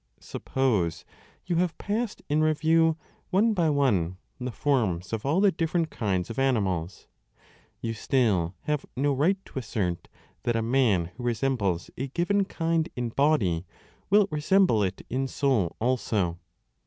Suppose you have passed in review one by one the forms of all the different kinds of animals, you still have no right to assert that a man who resembles a given kind in body will resemble it in soul also.